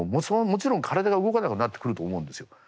それはもちろん体が動かなくなってくると思うんですよ。